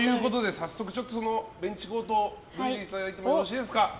早速、ベンチコートを脱いでいただいてよろしいですか。